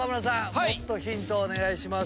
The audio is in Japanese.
もっとヒントをお願いします。